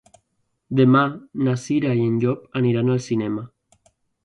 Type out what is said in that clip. Demà na Cira i en Llop aniran al cinema.